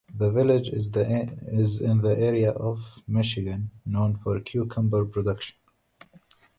The village is in the area of Michigan known for cucumber production.